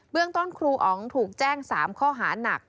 เรื่องต้นครูอ๋องถูกแจ้ง๓ข้อหานัก